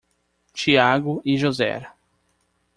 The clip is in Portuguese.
Thiago e José.